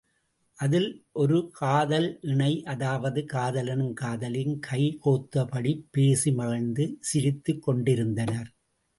அதில், ஒரு காதல் இணை அதாவது காதலனும் காதலியும் கை கோத்தபடிப் பேசி மகிழ்ந்து சிரித்துக் கொண்டிருந்தனர்.